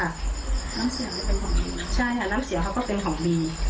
น้ำเสียงเป็นของดีใช่ค่ะน้ำเสียงเขาก็เป็นของบี